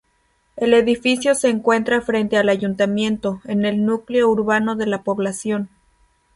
El edificio se encuentra frente al ayuntamiento, en el núcleo urbano de la población.